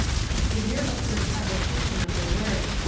The year of first publication of the work.